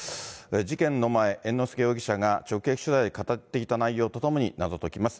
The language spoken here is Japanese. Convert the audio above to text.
事件の前、猿之助容疑者が直撃取材に語っていた内容とともに謎解きます。